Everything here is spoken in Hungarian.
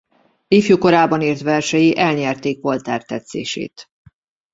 Ifjú korában írt versei elnyerték Voltaire tetszését.